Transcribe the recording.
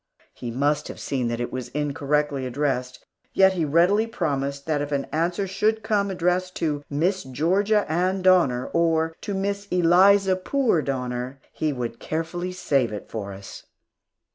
He must have seen that it was incorrectly addressed, yet he readily promised that if an answer should come addressed to "Miss Georgia Ann Donner," or to "Miss Eliza Poor Donner," he would carefully save it for us.